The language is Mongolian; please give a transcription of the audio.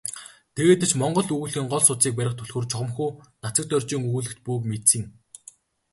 Тэгээд ч монгол өгүүллэгийн гол судсыг барих түлхүүр чухамхүү Нацагдоржийн өгүүллэгт буйг мэдсэн.